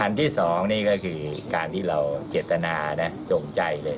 ที่๒นี่ก็คือการที่เราเจตนานะจงใจเลย